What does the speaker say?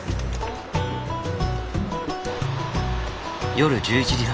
夜１１時半。